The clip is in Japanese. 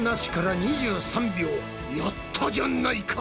やったじゃないか！